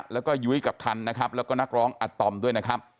แล้วก็ยุ้ยกับทันนะครับแล้วก็นักร้องอัตอมด้วยนะครับ